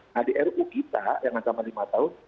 nah di ru kita yang ada sama lima tahun